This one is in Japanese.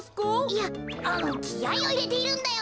いやあのきあいをいれているんだよ。